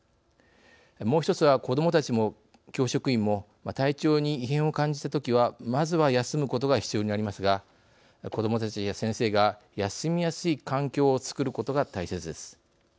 もう一つは子どもたちも教職員も体調に異変を感じたときはまずは休むことが必要になりますが子どもたちや先生が休みやすい環境を作ることが大切です。